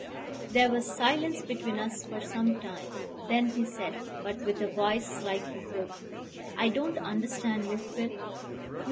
There was silence between us for some time; then he said, but with a voice slightly broken, "I don't understand you, Phil.